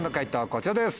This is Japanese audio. こちらです。